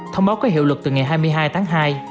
thông báo có hiệu lực từ ngày hai mươi hai tháng hai